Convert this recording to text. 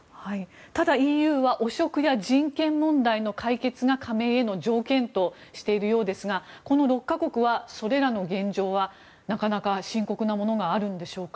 ただ、ＥＵは汚職や人権問題の解決が加盟への条件としているようですがこの６か国はそれらの現状はなかなか深刻なものがあるんでしょうか。